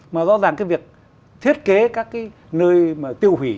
mà rõ ràng việc thiết kế các nơi tiêu hủy